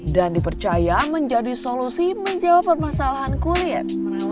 dan dipercaya menjadi solusi menjawab permasalahan kulit